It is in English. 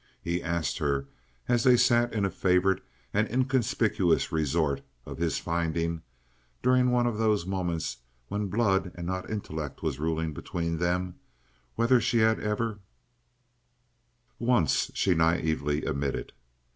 He asked her, as they sat in a favorite and inconspicuous resort of his finding, during one of those moments when blood and not intellect was ruling between them, whether she had ever— "Once," she naively admitted.